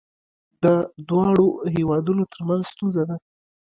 دا د دواړو هیوادونو ترمنځ ستونزه ده.